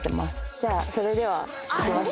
じゃあそれでは行きましょう。